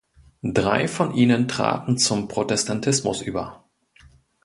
Drei von ihnen traten zum Protestantismus über.